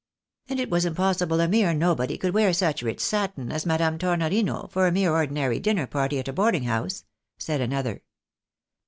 " And it was impossible a mere nobody could wear such rich satin as Madame Tornorino for a mere ordinary dinner party at a boarding house," said another.